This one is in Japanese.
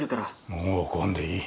もう来んでいい。